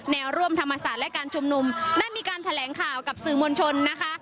แนวร่วมธรรมศาสตร์และการชุมนุมได้มีการแถลงข่าวกับสื่อมวลชนนะคะ